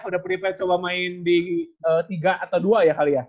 sudah prepare coba main di tiga atau dua ya kali ya